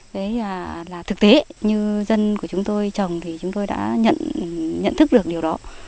đấy là thực tế như dân của chúng tôi trồng thì chúng tôi đã nhận thức được điều đó